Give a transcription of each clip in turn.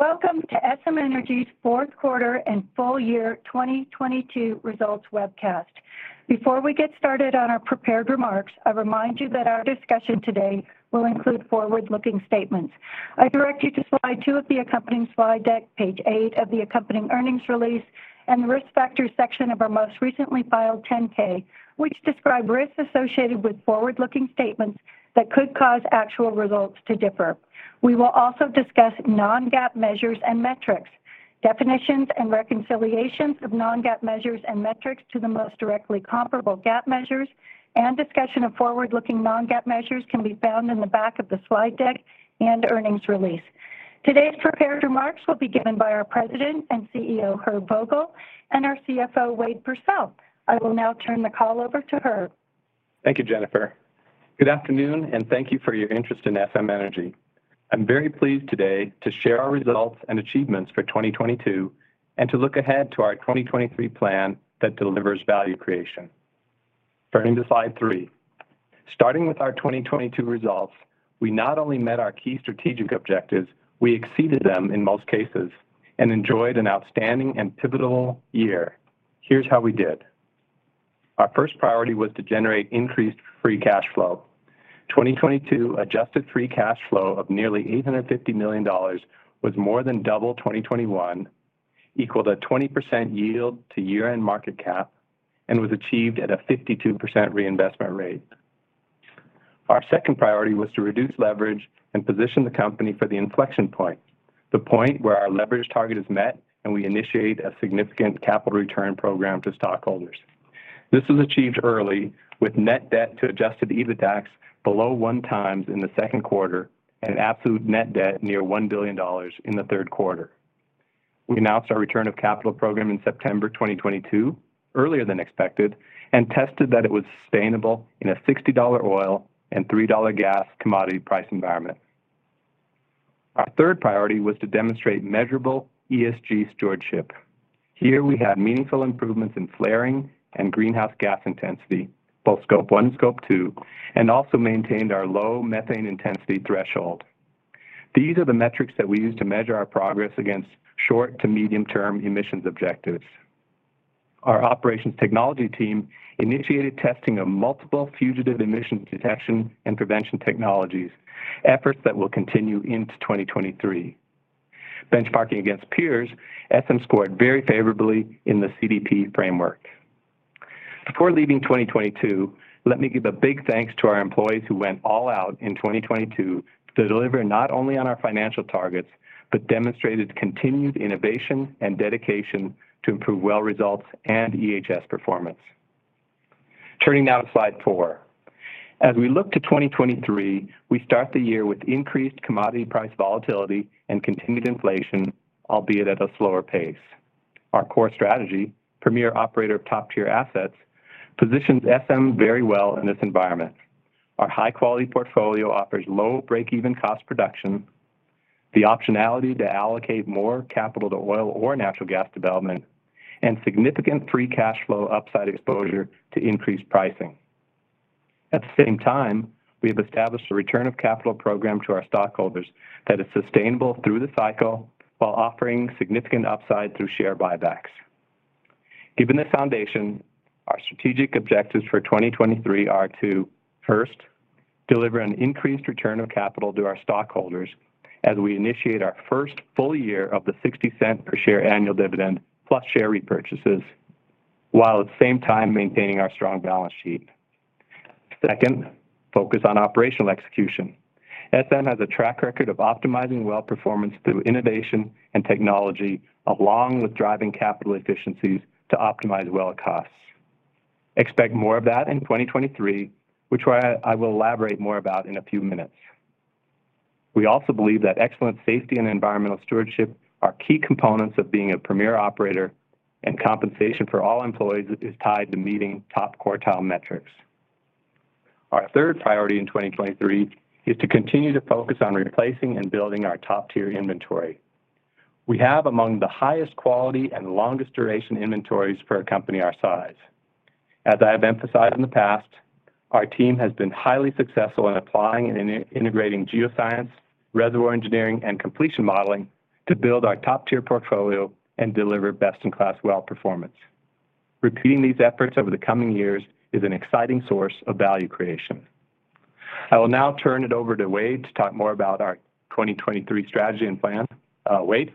Welcome to SM Energy's Fourth Quarter and Full Year 2022 Results Webcast. Before we get started on our prepared remarks, I remind you that our discussion today will include forward-looking statements. I direct you to slide two of the accompanying slide deck, page eight of the accompanying earnings release, and the Risk Factors section of our most recently filed 10-K, which describe risks associated with forward-looking statements that could cause actual results to differ. We will also discuss non-GAAP measures and metrics. Definitions and reconciliations of non-GAAP measures and metrics to the most directly comparable GAAP measures and discussion of forward-looking non-GAAP measures can be found in the back of the slide deck and earnings release. Today's prepared remarks will be given by our President and CEO, Herbert Vogel, and our CFO, Wade Pursell. I will now turn the call over to Herb. Thank you, Jennifer. Good afternoon, and thank you for your interest in SM Energy. I'm very pleased today to share our results and achievements for 2022, and to look ahead to our 2023 plan that delivers value creation. Turning to slide three. Starting with our 2022 results, we not only met our key strategic objectives, we exceeded them in most cases and enjoyed an outstanding and pivotal year. Here's how we did. Our first priority was to generate increased free cash flow. 2022 adjusted free cash flow of nearly $850 million was more than double 2021, equaled a 20% yield to year-end market cap, and was achieved at a 52% reinvestment rate. Our second priority was to reduce leverage and position the company for the inflection point, the point where our leverage target is met, and we initiate a significant capital return program to stockholders. This was achieved early with net debt to Adjusted EBITDAX below 1x in the second quarter and absolute net debt near $1 billion in the third quarter. We announced our return of capital program in September 2022, earlier than expected, and tested that it was sustainable in a $60 oil and $3 gas commodity price environment. Our third priority was to demonstrate measurable ESG stewardship. Here we had meaningful improvements in flaring and greenhouse gas intensity, both Scope one and Scope two, and also maintained our low methane intensity threshold. These are the metrics that we use to measure our progress against short to medium term emissions objectives. Our operations technology team initiated testing of multiple fugitive emission detection and prevention technologies, efforts that will continue into 2023. Benchmarking against peers, SM scored very favorably in the CDP framework. Before leaving 2022, let me give a big thanks to our employees who went all out in 2022 to deliver not only on our financial targets, but demonstrated continued innovation and dedication to improve well results and EHS performance. Turning now to slide four. As we look to 2023, we start the year with increased commodity price volatility and continued inflation, albeit at a slower pace. Our core strategy, premier operator of top-tier assets, positions SM very well in this environment. Our high-quality portfolio offers low break-even cost production, the optionality to allocate more capital to oil or natural gas development, and significant free cash flow upside exposure to increased pricing. At the same time, we have established a return of capital program to our stockholders that is sustainable through the cycle while offering significant upside through share buybacks. Given this foundation, our strategic objectives for 2023 are to, first, deliver an increased return of capital to our stockholders as we initiate our first full year of the $0.60 per share annual dividend plus share repurchases, while at the same time maintaining our strong balance sheet. Second, focus on operational execution. SM has a track record of optimizing well performance through innovation and technology along with driving capital efficiencies to optimize well costs. Expect more of that in 2023, which I will elaborate more about in a few minutes. We also believe that excellent safety and environmental stewardship are key components of being a premier operator, and compensation for all employees is tied to meeting top quartile metrics. Our third priority in 2023 is to continue to focus on replacing and building our top-tier inventory. We have among the highest quality and longest duration inventories for a company our size. As I have emphasized in the past, our team has been highly successful in applying and in-integrating geoscience, reservoir engineering, and completion modeling to build our top-tier portfolio and deliver best-in-class well performance. Repeating these efforts over the coming years is an exciting source of value creation. I will now turn it over to Wade to talk more about our 2023 strategy and plan. Wade?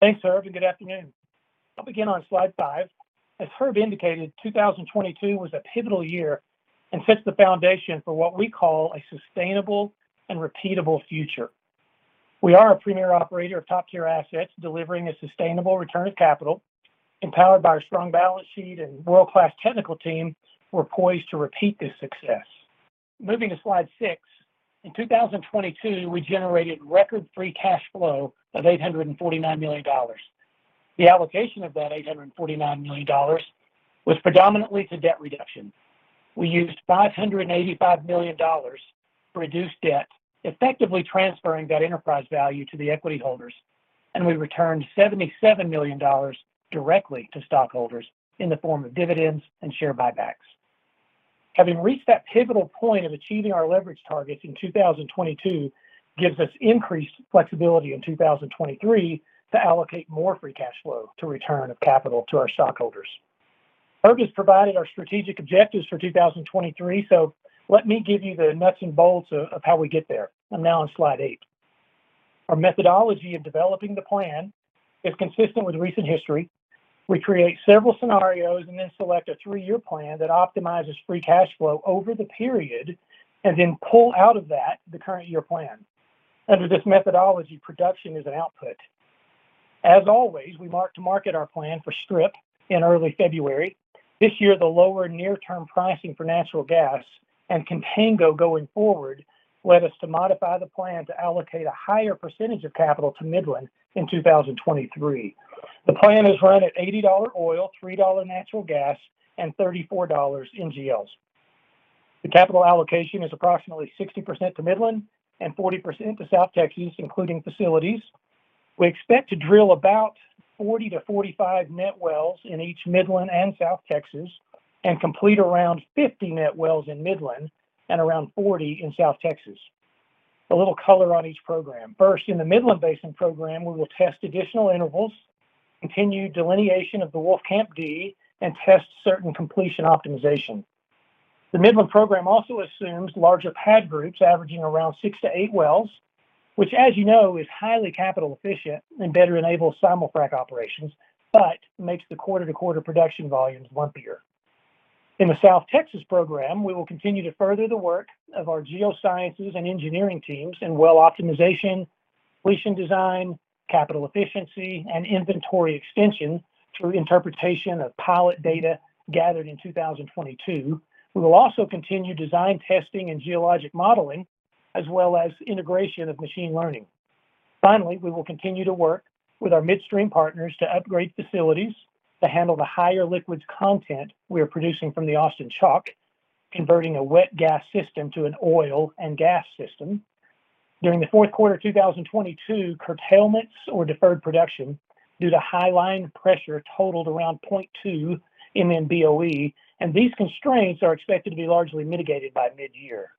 Thanks, Herb, good afternoon. I'll begin on slide five. As Herb indicated, 2022 was a pivotal year and sets the foundation for what we call a sustainable and repeatable future. We are a premier operator of top-tier assets, delivering a sustainable return of capital. Empowered by our strong balance sheet and world-class technical team, we're poised to repeat this success. Moving to slide six. In 2022, we generated record free cash flow of $849 million. The allocation of that $849 million was predominantly to debt reduction. We used $585 million to reduce debt, effectively transferring that enterprise value to the equity holders, and we returned $77 million directly to stockholders in the form of dividends and share buybacks. Having reached that pivotal point of achieving our leverage targets in 2022 gives us increased flexibility in 2023 to allocate more free cash flow to return of capital to our stockholders. Herb has provided our strategic objectives for 2023, so let me give you the nuts and bolts of how we get there. I'm now on slide eight. Our methodology of developing the plan is consistent with recent history. We create several scenarios and then select a three-year plan that optimizes free cash flow over the period, and then pull out of that the current year plan. Under this methodology, production is an output. As always, we mark-to-market our plan for strip in early February. This year, the lower near-term pricing for natural gas and Contango going forward led us to modify the plan to allocate a higher percentage of capital to Midland in 2023. The plan is run at $80 oil, $3 natural gas, and $34 NGLs. The capital allocation is approximately 60% to Midland and 40% to South Texas, including facilities. We expect to drill about 40-45 net wells in each Midland and South Texas, and complete around 50 net wells in Midland and around 40 in South Texas. A little color on each program. First, in the Midland Basin program, we will test additional intervals, continue delineation of the Wolfcamp D, and test certain completion optimization. The Midland program also assumes larger pad groups averaging around 6 to 8 wells, which as you know, is highly capital efficient and better enables simul-frac operations, but makes the quarter-to-quarter production volumes lumpier. In the South Texas program, we will continue to further the work of our geosciences and engineering teams in well optimization, completion design, capital efficiency, and inventory extension through interpretation of pilot data gathered in 2022. We will also continue design testing and geologic modeling, as well as integration of machine learning. Finally, we will continue to work with our midstream partners to upgrade facilities to handle the higher liquids content we are producing from the Austin Chalk, converting a wet gas system to an oil and gas system. During the fourth quarter 2022, curtailments or deferred production due to high line pressure totaled around 0.2 MMBOE. These constraints are expected to be largely mitigated by mid-year.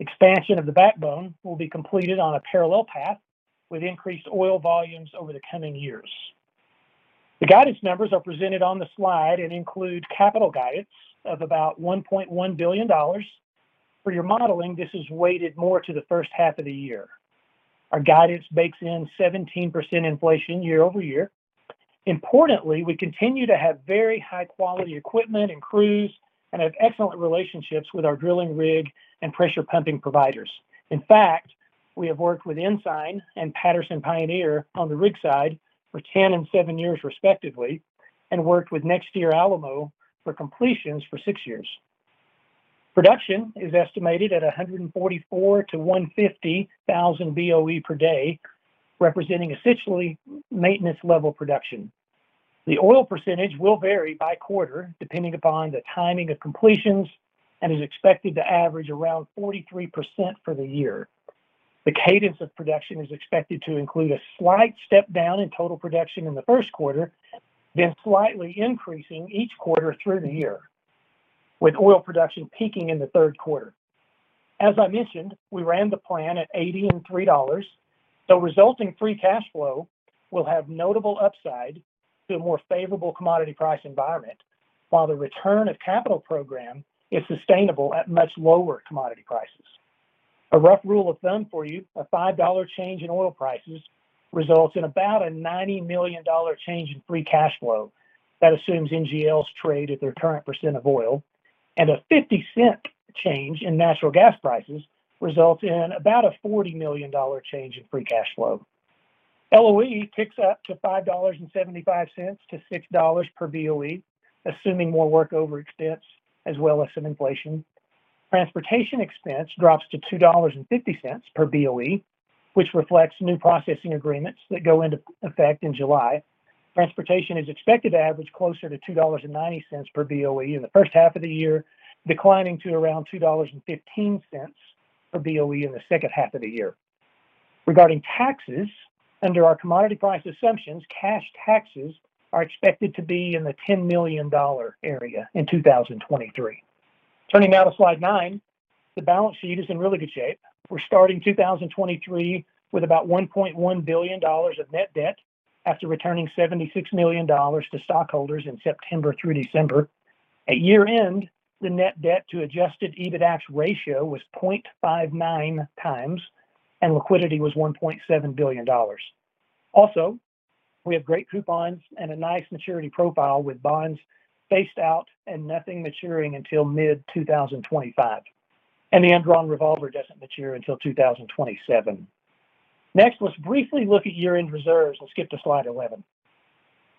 Expansion of the backbone will be completed on a parallel path with increased oil volumes over the coming years. The guidance numbers are presented on the slide and include capital guidance of about $1.1 billion. For your modeling, this is weighted more to the first half of the year. Our guidance bakes in 17% inflation year-over-year. Importantly, we continue to have very high quality equipment and crews, and have excellent relationships with our drilling rig and pressure pumping providers. In fact, we have worked with Ensign and Patterson Pioneer on the rig side for 10 and seven years respectively, and worked with NexTier Alamo for completions for six years. Production is estimated at 144,000-150,000 BOE per day, representing essentially maintenance level production. The oil percentage will vary by quarter depending upon the timing of completions, and is expected to average around 43% for the year. The cadence of production is expected to include a slight step down in total production in the first quarter, then slightly increasing each quarter through the year, with oil production peaking in the third quarter. As I mentioned, we ran the plan at $80 and $3. Resulting free cash flow will have notable upside to a more favorable commodity price environment, while the return of capital program is sustainable at much lower commodity prices. A rough rule of thumb for you, a $5 change in oil prices results in about a $90 million change in free cash flow. That assumes NGLs trade at their current % of oil, and a $0.50 change in natural gas prices results in about a $40 million change in free cash flow. LOE ticks up to $5.75-$6 per BOE, assuming more workover expense as well as some inflation. Transportation expense drops to $2.50 per BOE, which reflects new processing agreements that go into effect in July. Transportation is expected to average closer to $2.90 per BOE in the first half of the year, declining to around $2.15 per BOE in the second half of the year. Regarding taxes, under our commodity price assumptions, cash taxes are expected to be in the $10 million area in 2023. Turning now to Slide nine, the balance sheet is in really good shape. We're starting 2023 with about $1.1 billion of net debt after returning $76 million to stockholders in September through December. At year-end, the net debt to Adjusted EBITDA's ratio was 0.59 times, and liquidity was $1.7 billion. We have great coupons and a nice maturity profile with bonds faced out and nothing maturing until mid-2025, and the undrawn revolver doesn't mature until 2027. Let's briefly look at year-end reserves. Let's skip to Slide 11.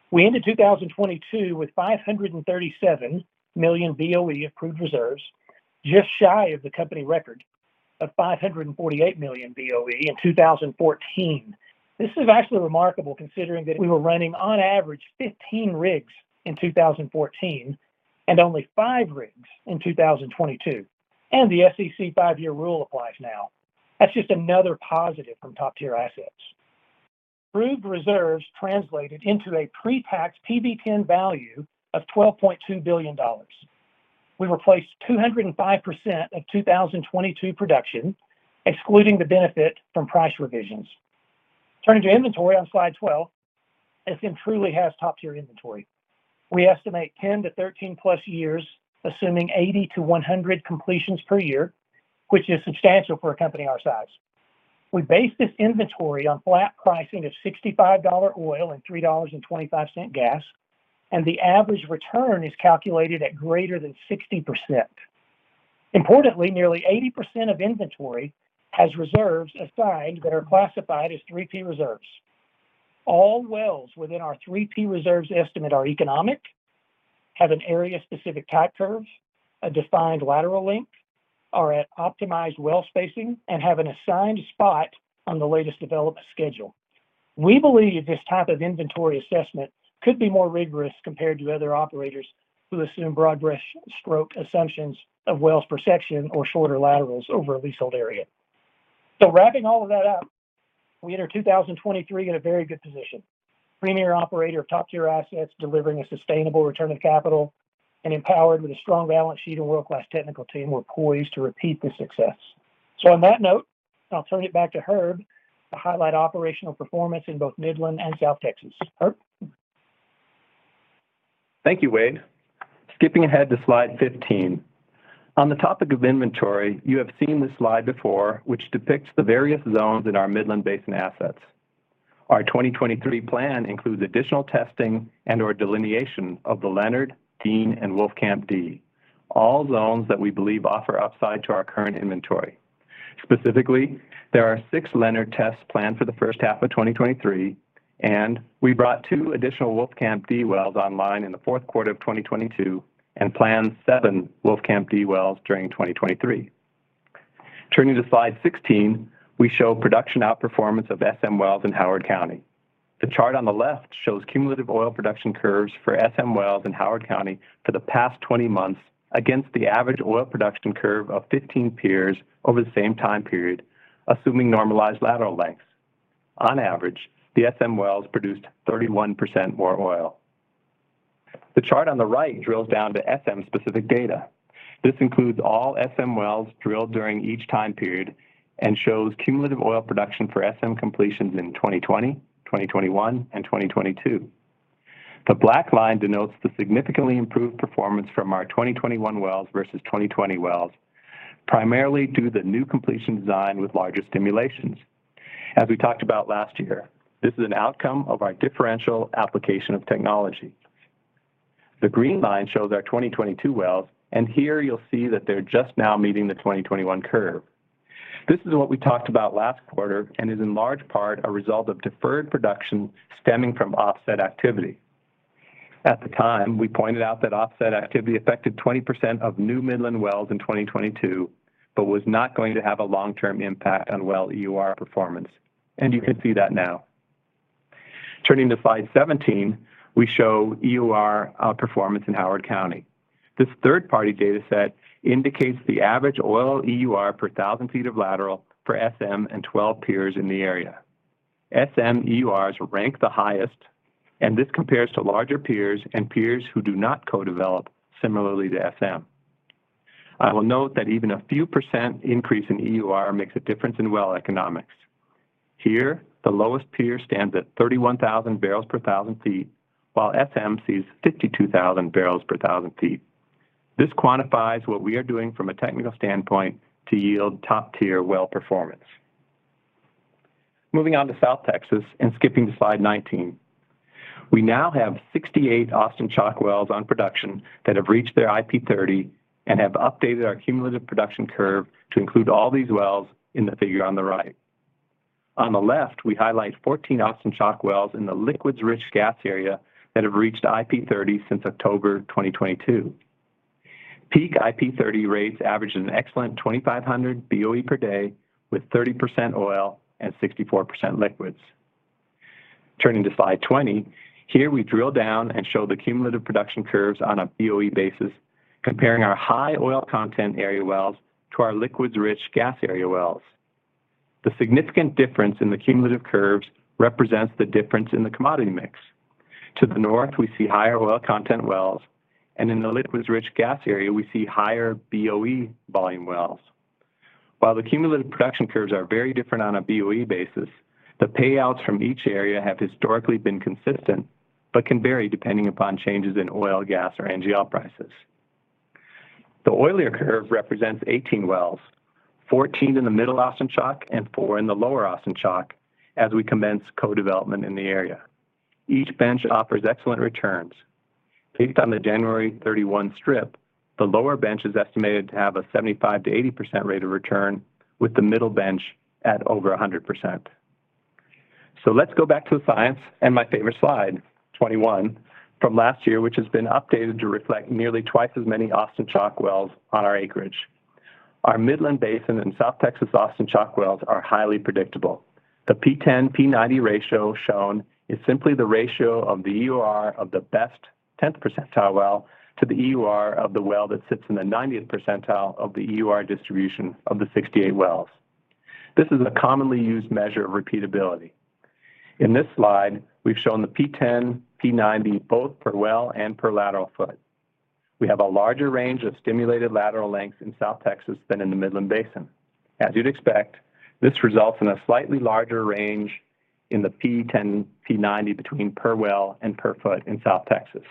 We ended 2022 with 537 million BOE approved reserves, just shy of the company record of 548 million BOE in 2014. This is actually remarkable considering that we were running on average 15 rigs in 2014 and only five rigs in 2022, and the SEC 5-year rule applies now. That's just another positive from top-tier assets. Approved reserves translated into a pre-tax PV-10 value of $12.2 billion. We replaced 205% of 2022 production, excluding the benefit from price revisions. Turning to inventory on slide 12, SM truly has top-tier inventory. We estimate 10-13+ years, assuming 80-100 completions per year, which is substantial for a company our size. We base this inventory on flat pricing of $65 oil and $3.25 gas, and the average return is calculated at greater than 60%. Importantly, nearly 80% of inventory has reserves assigned that are classified as 3P reserves. All wells within our 3P reserves estimate are economic, have an area-specific type curve, a defined lateral length, are at optimized well spacing, and have an assigned spot on the latest developer schedule. We believe this type of inventory assessment could be more rigorous compared to other operators who assume broad brush stroke assumptions of wells per section or shorter laterals over a leasehold area. Wrapping all of that up, we enter 2023 in a very good position. Premier operator of top tier assets delivering a sustainable return of capital and empowered with a strong balance sheet and world-class technical team, we're poised to repeat the success. On that note, I'll turn it back to Herb to highlight operational performance in both Midland and South Texas. Herb? Thank you, Wade. Skipping ahead to slide 15. On the topic of inventory, you have seen this slide before, which depicts the various zones in our Midland Basin assets. Our 2023 plan includes additional testing and/or delineation of the Leonard, Dean, and Wolfcamp D, all zones that we believe offer upside to our current inventory. Specifically, there are 6 Leonard tests planned for the first half of 2023, and we brought two additional Wolfcamp D wells online in the fourth quarter of 2022 and plan seven Wolfcamp D wells during 2023. Turning to slide 16, we show production outperformance of SM wells in Howard County. The chart on the left shows cumulative oil production curves for SM wells in Howard County for the past 20 months against the average oil production curve of 15 peers over the same time period, assuming normalized lateral lengths. On average, the SM wells produced 31% more oil. The chart on the right drills down to SM specific data. This includes all SM wells drilled during each time period and shows cumulative oil production for SM completions in 2020, 2021 and 2022. The black line denotes the significantly improved performance from our 2021 wells versus 2020 wells, primarily due to the new completion design with larger stimulations. As we talked about last year, this is an outcome of our differential application of technology. The green line shows our 2022 wells, and here you'll see that they're just now meeting the 2021 curve. This is what we talked about last quarter and is in large part a result of deferred production stemming from offset activity. At the time, we pointed out that offset activity affected 20% of new Midland wells in 2022, but was not going to have a long-term impact on well EUR performance. You can see that now. Turning to slide 17, we show EUR performance in Howard County. This third-party data set indicates the average oil EUR per 1,000 feet of lateral for SM and 12 peers in the area. SM EURs rank the highest, and this compares to larger peers and peers who do not co-develop similarly to SM. I will note that even a few % increase in EUR makes a difference in well economics. Here, the lowest peer stands at 31,000 barrels per 1,000 feet, while SM sees 52,000 barrels per 1,000 feet. This quantifies what we are doing from a technical standpoint to yield top-tier well performance. Moving on to South Texas and skipping to slide 19. We now have 68 Austin Chalk wells on production that have reached their IP30 and have updated our cumulative production curve to include all these wells in the figure on the right. On the left, we highlight 14 Austin Chalk wells in the liquids rich gas area that have reached IP30 since October 2022. Peak IP30 rates average an excellent 2,500 BOE per day with 30% oil and 64% liquids. Turning to slide 20, here we drill down and show the cumulative production curves on a BOE basis comparing our high oil content area wells to our liquids rich gas area wells. The significant difference in the cumulative curves represents the difference in the commodity mix. To the north, we see higher oil content wells, and in the liquids rich gas area, we see higher BOE volume wells. While the cumulative production curves are very different on a BOE basis, the payouts from each area have historically been consistent, but can vary depending upon changes in oil, gas, or NGL prices. The oilier curve represents 18 wells, 14 in the middle Austin Chalk and four in the lower Austin Chalk as we commence co-development in the area. Each bench offers excellent returns. Based on the January 31 strip, the lower bench is estimated to have a 75%-80% rate of return, with the middle bench at over 100%. Let's go back to the science and my favorite slide, 21, from last year, which has been updated to reflect nearly twice as many Austin Chalk wells on our acreage. Our Midland Basin and South Texas Austin Chalk wells are highly predictable. The P10, P90 ratio shown is simply the ratio of the EUR of the best 10th percentile well to the EUR of the well that sits in the 90th percentile of the EUR distribution of the 68 wells. This is a commonly used measure of repeatability. In this slide, we've shown the P10, P90 both per well and per lateral foot. We have a larger range of stimulated lateral lengths in South Texas than in the Midland Basin. As you'd expect, this results in a slightly larger range in the P10, P90 between per well and per foot in South Texas.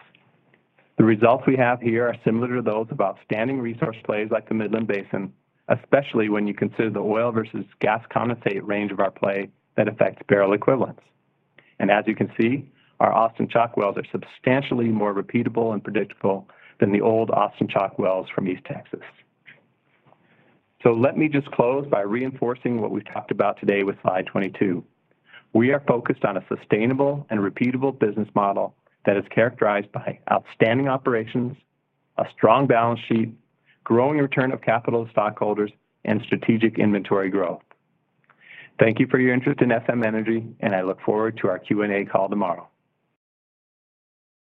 The results we have here are similar to those of outstanding resource plays like the Midland Basin, especially when you consider the oil versus gas condensate range of our play that affects barrel equivalents. As you can see, our Austin Chalk wells are substantially more repeatable and predictable than the old Austin Chalk wells from East Texas. Let me just close by reinforcing what we've talked about today with slide 22. We are focused on a sustainable and repeatable business model that is characterized by outstanding operations, a strong balance sheet, growing return of capital to stockholders, and strategic inventory growth. Thank you for your interest in SM Energy, and I look forward to our Q&A call tomorrow.